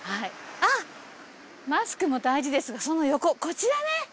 あっマスクも大事ですがその横こちらね。